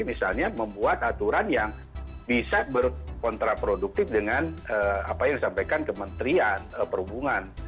misalnya membuat aturan yang bisa berkontraproduktif dengan apa yang disampaikan kementerian perhubungan